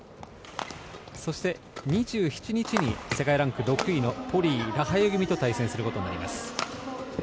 そして２７日に世界ランク６位のペアと対戦することになります。